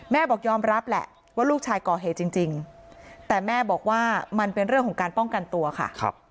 บอกยอมรับแหละว่าลูกชายก่อเหตุจริงแต่แม่บอกว่ามันเป็นเรื่องของการป้องกันตัวค่ะ